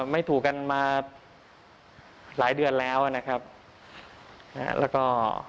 ไม่ถูกกันมาหลายเดือนแล้วนะครับแล้วก็